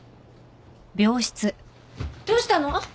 どうしたの？